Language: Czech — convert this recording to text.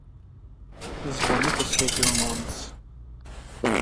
Zvony posvětil Mons.